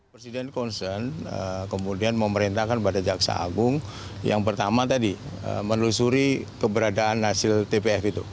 presiden concern kemudian memerintahkan pada jaksa agung yang pertama tadi menelusuri keberadaan hasil tpf itu